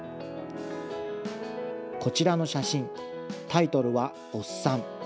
こちらの写真、タイトルはおっさん。